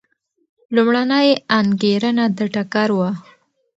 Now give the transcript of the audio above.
لومړنۍ انګېرنه د ټکر وه.